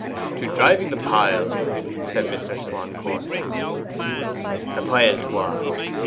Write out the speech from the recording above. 'To driving the pile,' said Mr. Swancourt. 'The pile 'twas.